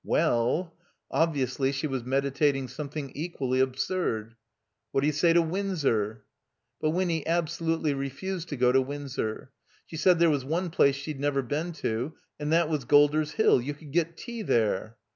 "Well —" Obviously she was meditating some thing equally absurd. "What d'you say to Windsor?" But Winny absolutely refused to go to Windsor, She said there was one place she'd never been to, and that was Golder's Hill. You could get tea there.